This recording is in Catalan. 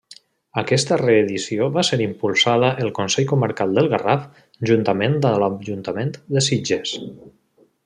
Aquesta reedició va ser impulsada el Consell Comarcal del Garraf, juntament amb l'Ajuntament de Sitges.